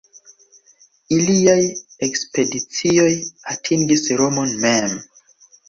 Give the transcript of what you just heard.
Iliaj ekspedicioj atingis Romon mem.